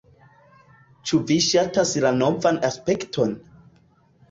Ĉu vi ŝatas la novan aspekton?